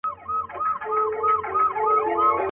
د امیدونو ساحل.